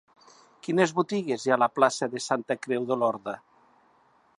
Quines botigues hi ha a la plaça de Santa Creu d'Olorda?